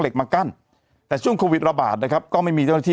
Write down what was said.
เหล็กมากั้นแต่ช่วงโควิตระบาดนะครับก็ไม่มีเจ้านที